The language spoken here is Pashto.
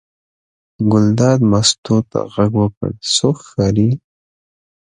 ګلداد مستو ته غږ وکړ: څوک ښکاري.